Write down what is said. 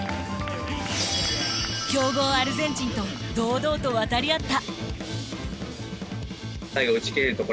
強豪アルゼンチンと堂々と渡り合った。